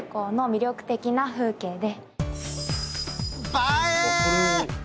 映え！